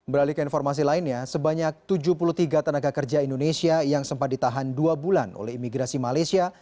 beralik informasi lainnya sebanyak tujuh puluh tiga tenaga kerja indonesia yang sempat ditahan dua bulan oleh imigrasi malaysia